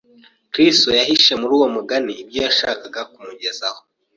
Kristo yahishe muri uwo mugani ibyo yashakaga kumugezaho